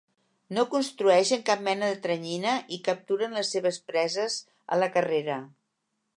No construeixen cap mena de teranyina i capturen les seves preses a la carrera.